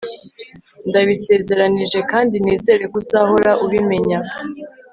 Ndabisezeranije kandi nizere ko uzahora ubimenya